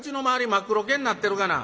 真っ黒けになってるがな。